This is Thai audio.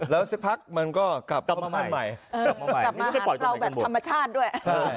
แล้วสักพักมันก็กลับมาใหม่กลับมาหาข้าวแบบธรรมชาติด้วย